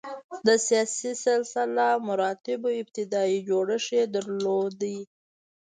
د سیاسي سلسله مراتبو ابتدايي جوړښت یې درلود.